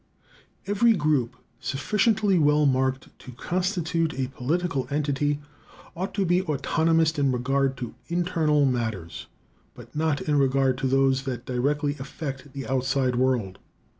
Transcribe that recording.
Every group sufficiently well marked to constitute a political entity ought to be autonomous in regard to internal matters, but not in regard to those that directly affect the outside world.